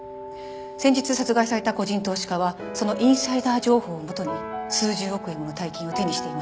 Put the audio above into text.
先日殺害された個人投資家はそのインサイダー情報をもとに数十億円もの大金を手にしていました。